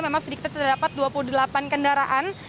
memang sedikit terdapat dua puluh delapan kendaraan